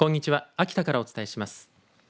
秋田からお伝えします。